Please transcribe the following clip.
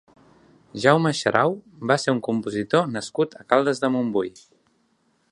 Jaume Xarau va ser un compositor nascut a Caldes de Montbui.